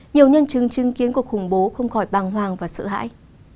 nhiều nhân chứng chứng kiến cuộc khủng bố không khỏi bàng hoàng và sợ hãi